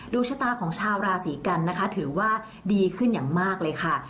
ชะตาของชาวราศีกันนะคะถือว่าดีขึ้นอย่างมากเลยค่ะ